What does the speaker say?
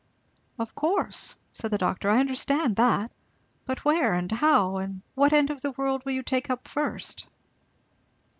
"Of course!" said the doctor. "I understand that; but where and how? What end of the world will you take up first?"